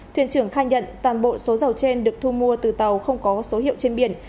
thuyền trưởng khai nhận toàn bộ số dầu trên được thu mua từ tàu không có số hiệu trên biển